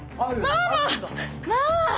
ママ！